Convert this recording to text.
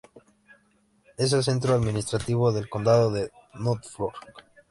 Es el centro administrativo del condado de Norfolk.